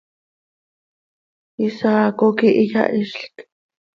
Isaaco quih iyahizlc.